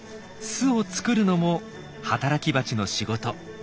巣を作るのも働きバチの仕事。